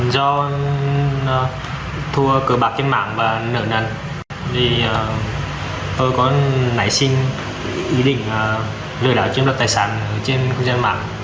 do thua cờ bạc trên mạng và nợ nần tôi có nảy sinh ý định lừa đảo chiếm đoạt tài sản trên dân mạng